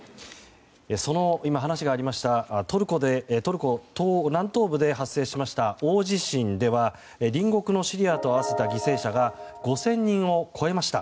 その今、話がありましたトルコ南東部で発生しました大地震では隣国のシリアと合わせた犠牲者が５０００人を超えました。